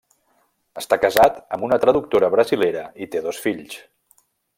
Està casat amb una traductora brasilera i té dos fills.